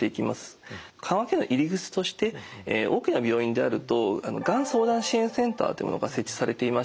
緩和ケアの入り口として大きな病院であるとがん相談支援センターというものが設置されていまして